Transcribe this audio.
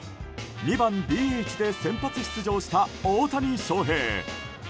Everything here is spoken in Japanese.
２番ＤＨで先発出場した大谷翔平。